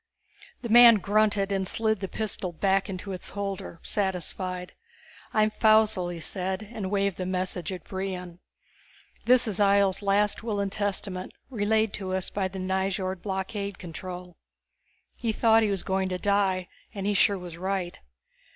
The man grunted and slid the pistol back into its holder, satisfied. "I'm Faussel," he said, and waved the message at Brion. "This is Ihjel's last will and testament, relayed to us by the Nyjord blockade control. He thought he was going to die and he sure was right.